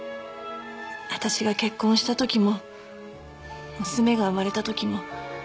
私が結婚した時も娘が生まれた時も。